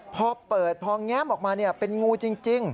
พอเปิดพอแง้มออกมาเป็นงูจริง